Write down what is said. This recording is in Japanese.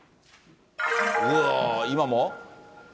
うわー、今も？